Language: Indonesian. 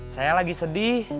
saya lagi sedih